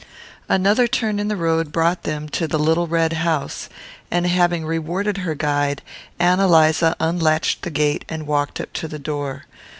Another turn in the road brought them to the little red house, and having rewarded her guide Ann Eliza unlatched the gate and walked up to the door.